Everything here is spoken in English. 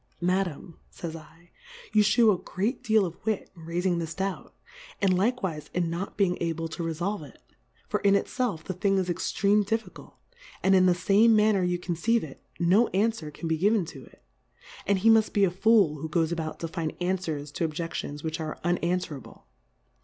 Madam, fays J, You fliew a great deal of Wit, in raifing this Doubt, and likewife in not being able to refolve it ; for in itfelf the Thing is extreme Diffi cult, and in the fame manner you con ceive it^ no anfwer can be given to it ;' and he muft be a Fool, who goes about to find Anfwers to Obje£lions which are unanfwerable.